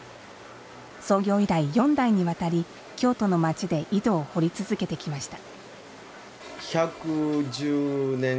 創業以来、４代に渡り京都の町で井戸を掘り続けてきました。